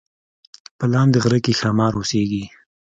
په لاندې غره کې ښامار اوسیږي